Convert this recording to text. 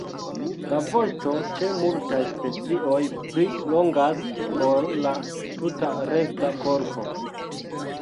La vosto ĉe multaj specioj pli longas ol la tuta resta korpo.